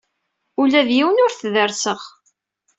Ula d yiwen ur t-derrseɣ.